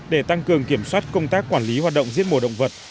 để tăng cường kiểm soát công tác quản lý hoạt động giết mổ động vật